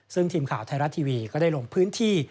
ซึ่งทีมข่าวไทยรัฐทีวีก็ได้ลงพื้นที่